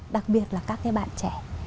đặc biệt là các cái bạn trẻ